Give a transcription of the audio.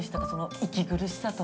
息苦しさとか。